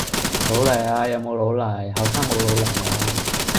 老泥呀，有冇老泥？後生冇老泥啊？